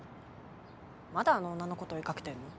まだあの女のこと追い掛けてんの？